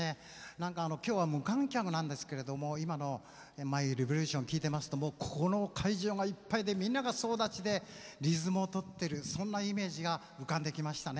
なんか今日は無観客なんですけれども今の「ＭｙＲｅｖｏｌｕｔｉｏｎ」聴いてますともうこの会場がいっぱいでみんなが総立ちでリズムをとってるそんなイメージが浮かんできましたね。